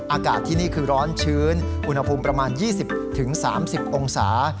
อากาศที่นี่คือร้อนชื้นอุณหภูมิประมาณ๒๐๓๐องศา